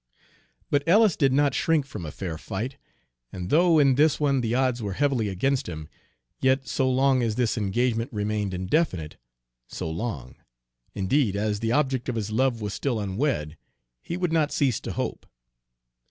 But Ellis did not shrink from a fair fight, and though in this one the odds were heavily against him, yet so long as this engagement remained indefinite, so long, indeed, as the object of his love was still unwed, he would not cease to hope.